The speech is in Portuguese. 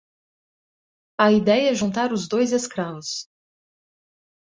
A ideia é juntar os dois escravos.